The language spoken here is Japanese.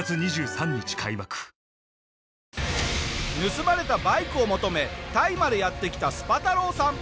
盗まれたバイクを求めタイまでやって来たスパ太郎さん。